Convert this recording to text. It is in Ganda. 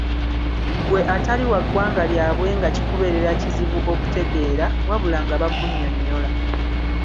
Ggwe atali wa ggwanga lyabwe nga kikubeerera kizibu okutegeera, wabula nga bakunnyonnyola.